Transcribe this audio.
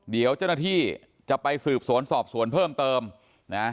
เดี๋ยวเจ้าหน้าที่จะไปสืบสวนสอบสวนเพิ่มเติมนะ